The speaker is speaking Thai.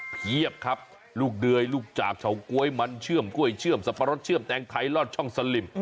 เพียบครับลูกเดยลูกจาบเฉาก๊วยมันเชื่อมกล้วยเชื่อมสับปะรดเชื่อมแตงไทยลอดช่องสลิม